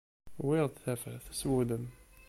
Wwiɣ-d tafat, s wudem.